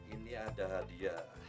ini ada hadiah